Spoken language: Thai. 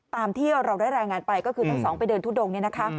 ตามที่เราได้รายงานไปก็คือทางสองไปเดินทุดง